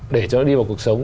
để cho nó đi vào cuộc sống